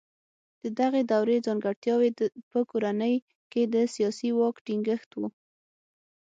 د دغې دورې ځانګړتیاوې په کورنۍ کې د سیاسي واک ټینګښت و.